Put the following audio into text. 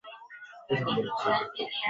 Vijiko vya chakula nne vya nafuta